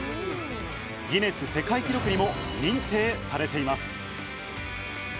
ギネス世界記録にも認定されています。